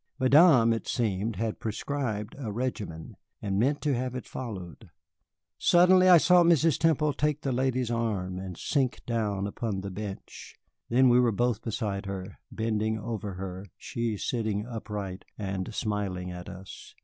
Madame, it seemed, had prescribed a regimen, and meant to have it followed. Suddenly I saw Mrs. Temple take the lady's arm, and sink down upon the bench. Then we were both beside her, bending over her, she sitting upright and smiling at us.